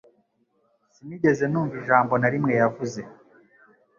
Sinigeze numva ijambo na rimwe yavuze.